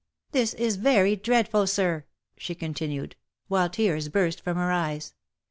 This is very dread ful sir/' she continued, while tears burst from her eyes.